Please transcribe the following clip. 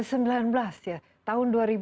ke sembilan belas tahun dua ribu dua